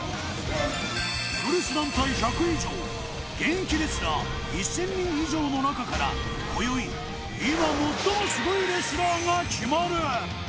プロレス団体１００以上現役レスラー１０００人以上の中から今宵今最もすごいレスラーが決まる。